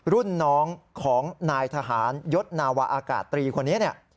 รุ่นน้องของนายทหารยศนาวะอากาศตรีคนนี้เนี่ย